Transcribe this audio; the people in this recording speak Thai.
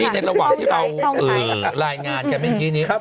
ในระหว่างที่เรารายงานกันเมื่อกี้นี้